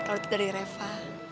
kalau itu dari reva